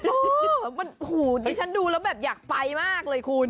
โอ้โฮมันโอ้โฮดิฉันดูแล้วแบบอยากไปมากเลยคุณ